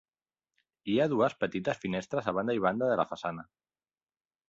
Hi ha dues petites finestres a banda i banda de la façana.